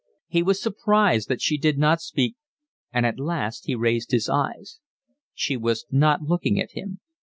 He was surprised that she did not speak, and at last he raised his eyes. She was not looking at him.